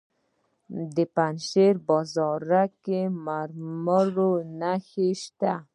د پنجشیر په بازارک کې د مرمرو نښې شته.